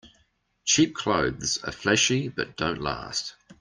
Cheap clothes are flashy but don't last.